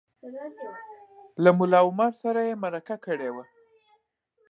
له ملا عمر سره یې مرکه کړې وه